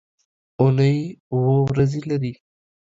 اونۍ اووه ورځې لري.